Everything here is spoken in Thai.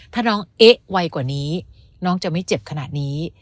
ถ้าน้องเอ๊ะไวกว่านี้น้องจะไม่เจ็บขนาดนี้